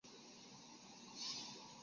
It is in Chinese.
规模最大的示威发生在欧洲。